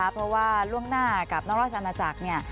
เพราะว่าล่วงหน้ากับน้องรอชอันนจักร